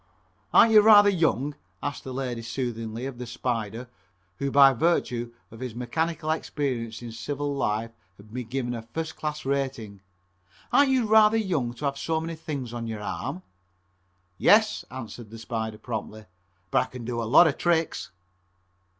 "Arn't you rather young?" asked the lady soothingly of the "Spider," who by virtue of his mechanical experience in civil life had been given a first class rating, "Arn't you rather young to have so many things on your arm?" "Yes," answered the "Spider" promptly, "but I kin do a lot of tricks."